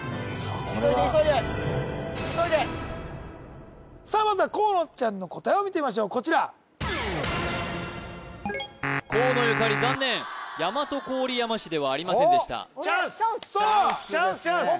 これは急いで急いで急いでさあまずは河野ちゃんの答えを見てみましょうこちら河野ゆかり残念大和郡山市ではありませんでしたチャンスチャンスチャンスチャンスですね